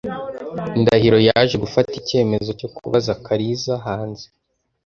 Ndahiro yaje gufata icyemezo cyo kubaza Kariza hanze.